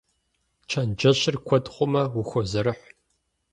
Чэнджэщыр куэд хъумэ, ухозэрыхь.